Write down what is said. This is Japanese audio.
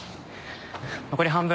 残り半分。